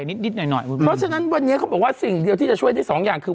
เพราะฉะนั้นวันนี้เขาบอกว่าสิ่งเดียวที่จะช่วยได้สองอย่างคือ